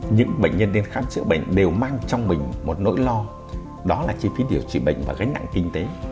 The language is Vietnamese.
những bệnh nhân đến khám chữa bệnh đều mang trong mình một nỗi lo đó là chi phí điều trị bệnh và gánh nặng kinh tế